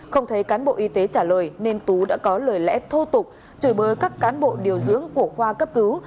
không thấy cán bộ y tế trả lời nên tú đã có lời lẽ thô tục chửi bới các cán bộ điều dưỡng của khoa cấp cứu